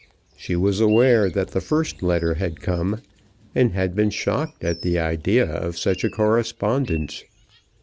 She was aware that the first letter had come, and had been shocked at the idea of such a correspondence.